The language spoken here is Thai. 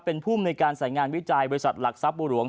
เป็นภูมิในการสายงานวิจัยบริษัทหลักทรัพย์บัวหลวง